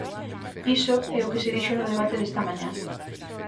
Iso é o que se dixo no debate desta mañá.